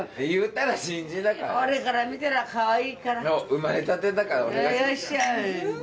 生まれたてだからお願いします。